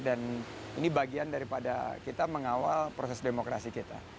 dan ini bagian daripada kita mengawal proses demokrasi kita